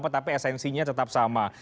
tapi esensinya tetap sama